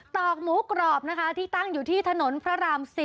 ตอกหมูกรอบนะคะที่ตั้งอยู่ที่ถนนพระราม๔